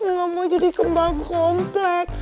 nggak mau jadi kembang komplek